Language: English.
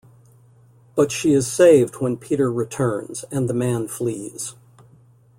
But she is saved when Peter returns, and the man flees.